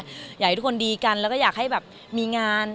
อยากให้ทุกคนดีกันแล้วก็อยากให้แบบมีงาน